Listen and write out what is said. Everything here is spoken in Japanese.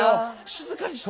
静かにして。